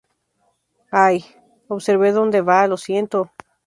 ¡ Ay! ¡ observe donde va! ¡ lo siento!